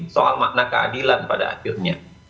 soal makna keadilan pada akhirnya